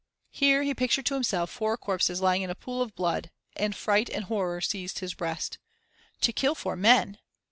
Here he pictured to himself four corpses lying in a pool of blood, and fright and horror seized his breast. To kill four men!